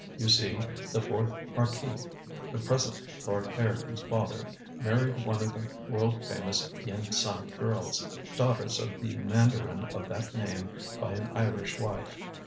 You see, the fourth marquis the present Lord Ireton's father married one of the world famous Yen Sun girls, daughters of the mandarin of that name by an Irish wife.